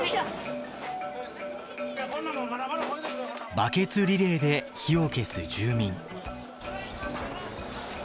バケツリレーで火を消す住民。